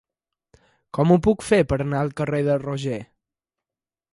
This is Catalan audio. Com ho puc fer per anar al carrer de Roger?